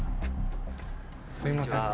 すいません。